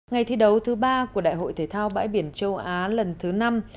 ngày thi đấu thứ ba của đại hội thể thao bãi biển châu á lần thứ năm